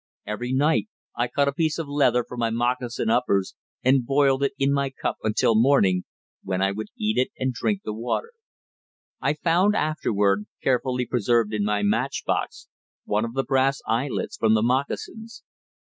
Each night I cut a piece of leather from my moccasin uppers, and boiled it in my cup until morning, when I would eat it and drink the water. I found afterward, carefully preserved in my match box, one of the brass eyelets from the moccasins.